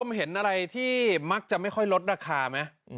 ผมเห็นอะไรที่มักจะไม่ค่อยลดราคาไหม